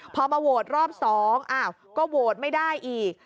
พอมาโหวตรอบ๒อ้าวก็โหวตไม่ได้อีก